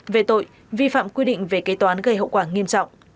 về tội vi phạm quy định về kế toán gây hậu quả nghiêm trọng